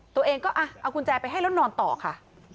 ตัวเองก็เอากุญแจไปให้แล้วนอนต่อค่ะ